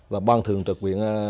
và ban thường trực quyền